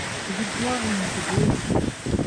Evit doare, n'eo ket aes.